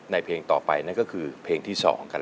เพลงต่อไปนั่นก็คือเพลงที่๒กัน